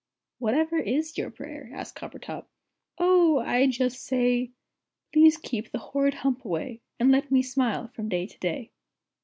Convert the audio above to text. "Whatever is your prayer?" asked Coppertop. "Oh, I just say Please keep the horrid Hump away, And let me smile from day to day.